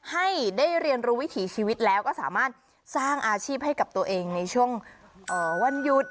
ให้ได้เรียนรู้วิถีชีวิตแล้วก็สามารถสร้างอาชีพให้กับตัวเองในช่วงวันหยุด